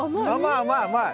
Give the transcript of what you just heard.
甘い。